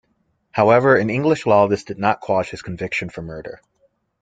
However, in English law this did not quash his conviction for murder.